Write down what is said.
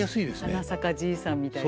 「はなさかじいさん」みたいなね。